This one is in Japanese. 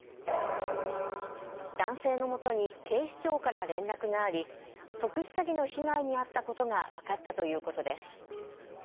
男性のもとに警視庁から連絡があり特殊詐欺の被害に遭ったことが分かったということです。